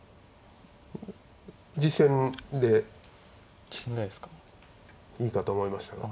実戦でいいかと思いましたが。